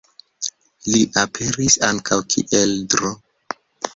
Li aperis ankaŭ kiel Dro.